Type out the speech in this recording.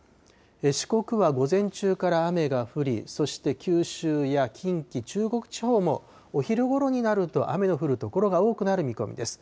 四国は午前中から雨が降り、そして、九州や近畿、中国地方もお昼ごろになると雨の降る所が多くなる見込みです。